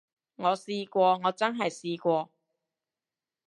我試過，我真係試過